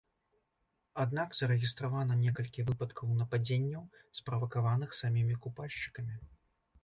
Аднак зарэгістравана некалькі выпадкаў нападзенняў, справакаваных самімі купальшчыкамі.